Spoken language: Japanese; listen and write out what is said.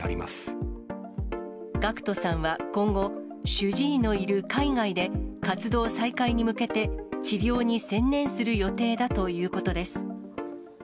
主治医のいる海外で活動再開に向けて、治療に専念する予定だということです。